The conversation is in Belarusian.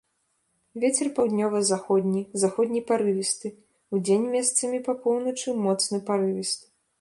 Вецер паўднёва-заходні, заходні парывісты, удзень месцамі па поўначы моцны парывісты.